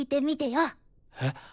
えっ。